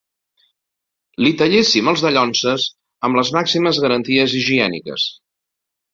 Li talléssim els dallonses amb les màximes garanties higièniques.